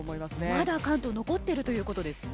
まだ関東残っているということですね。